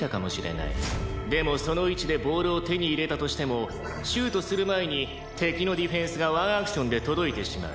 でもその位置でボールを手に入れたとしてもシュートする前に敵のディフェンスがワンアクションで届いてしまう。